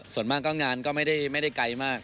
ส่วนมากก็งานก็ไม่ได้ไกลมาก